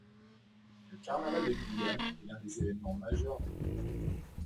Le carnaval de Guyane est l'un des évènements majeurs de Guyane.